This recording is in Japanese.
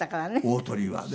大トリはね。